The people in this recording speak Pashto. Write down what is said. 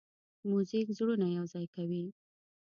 موزیک زړونه یوځای کوي.